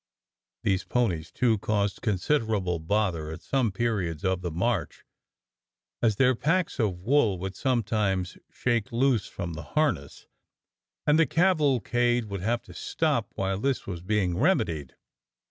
These ponies, too, caused considerable bother at some periods of the march, as their packs of wool would sometimes shake loose from the harness, and the cavalcade would have to stop while this was being remedied.